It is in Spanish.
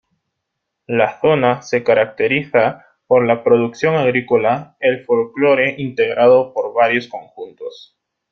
La zona se caracteriza por la producción agrícola el folklore integrado por varios conjuntos.